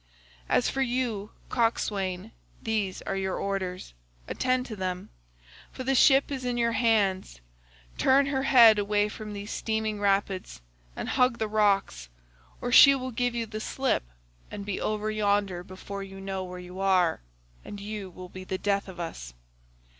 As for you, coxswain, these are your orders; attend to them, for the ship is in your hands; turn her head away from these steaming rapids and hug the rock, or she will give you the slip and be over yonder before you know where you are, and you will be the death of us.